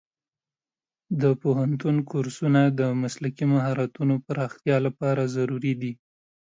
د پوهنتون کورسونه د مسلکي مهارتونو پراختیا لپاره ضروري دي.